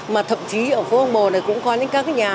mà thậm chí ở phố hàng bồ này cũng có những các nhà